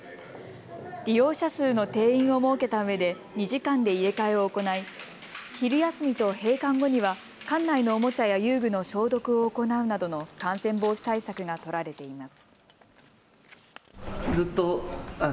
利用者数の定員を設けたうえで２時間で入れ替えを行い昼休みと閉館後には館内のおもちゃや遊具の消毒を行うなどの感染防止対策が取られています。